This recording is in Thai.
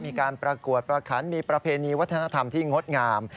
มีการประกวดประขันมีประเพณีวัฒนธรรมที่งดงาม